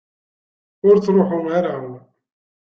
Ur ttṛuḥu ara!